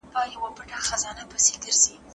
په دې نړۍ کې هېڅوک هم په هر څه نه پوهېږي.